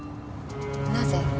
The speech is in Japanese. なぜ？